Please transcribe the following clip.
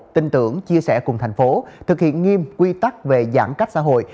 tin tưởng chia sẻ cùng thành phố thực hiện nghiêm quy tắc về giãn cách xã hội